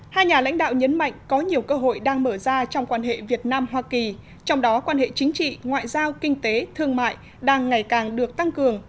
hai nhà lãnh đạo nhấn mạnh có nhiều cơ hội đang mở ra trong quan hệ việt nam hoa kỳ trong đó quan hệ chính trị ngoại giao kinh tế thương mại đang ngày càng được tăng cường